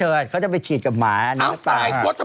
มันก็ฉีดให้เธอชีดฟังตา